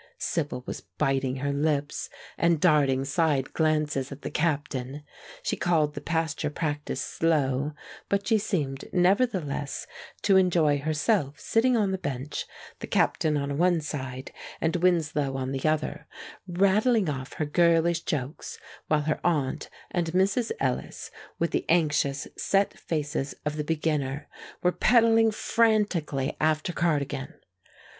Sibyl was biting her lips and darting side glances at the captain. She called the pasture practice slow, but she seemed, nevertheless, to enjoy herself sitting on the bench, the captain on one side and Winslow on the other, rattling off her girlish jokes, while her aunt and Mrs. Ellis, with the anxious, set faces of the beginner, were pedalling frantically after Cardigan.